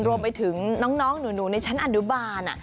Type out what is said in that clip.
รวมไปถึงน้องหนูในชั้นอนุบาล